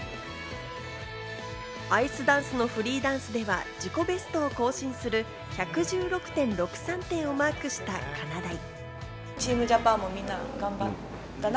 アイスダンスのフリーダンスでは自己ベストを更新する１１６．６３点をマークした、かなだい。